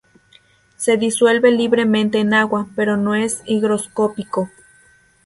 Se disuelve libremente en agua, pero no es higroscópico.